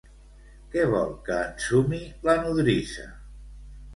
Què vol que ensumi la nodrissa?